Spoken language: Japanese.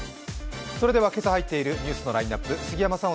それでは今朝入っているニュースのラインナップ、杉山さん